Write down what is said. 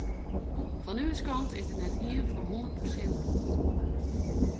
Fan ús kant is der net ien foar hûndert persint boer.